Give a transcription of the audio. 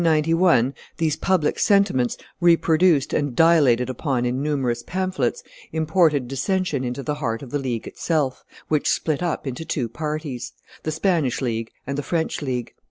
In 1591 these public sentiments, reproduced and dilated upon in numerous pamphlets, imported dissension into the heart of the League itself, which split up into two parties, the Spanish League and the French League.